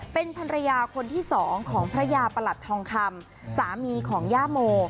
เป็นภรรยาคนที่สองของพระยาประหลัดทองคำสามีของย่าโม